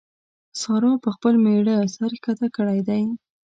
سارا پر خپل مېړه سر کښته کړی دی.